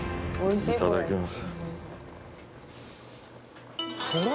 いただきます